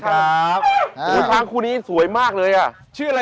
ชื่องนี้ชื่องนี้ชื่องนี้ชื่องนี้ชื่องนี้ชื่องนี้